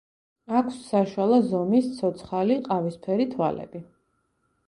აქვს საშუალო ზომის, ცოცხალი, ყავისფერი თვალები.